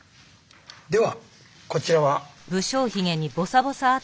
ではこちらは。